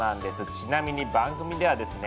ちなみに番組ではですね